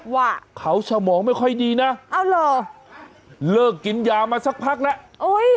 ว่าเขาสมองไม่ค่อยดีนะเอาเหรอเลิกกินยามาสักพักแล้วโอ้ย